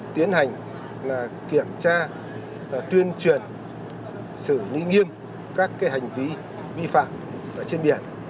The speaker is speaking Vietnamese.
tiến hành kiểm tra và tuyên truyền xử lý nghiêm các hành vi vi phạm trên biển